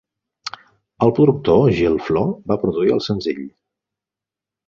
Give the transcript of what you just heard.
El productor Gilflo va produir el senzill.